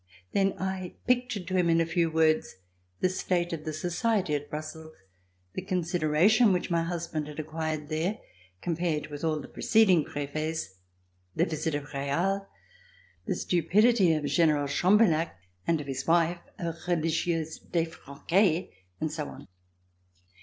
Then I pictured to him in a few words the state of society at Brussels, the consideration which my husband had acquired there compared with all the preceding prefets, the visit of Real, the stupidity of General Chambarlhac and of his wife, a religieuse dejroquee, and so on.